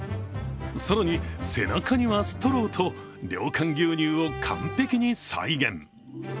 更に、背中にはストローと良寛牛乳を完璧に再現。